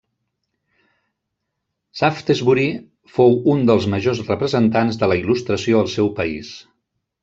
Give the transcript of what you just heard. Shaftesbury fou un dels majors representants de la Il·lustració al seu país.